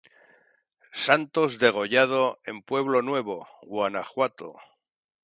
Santos Degollado en Pueblo Nuevo, Guanajuato.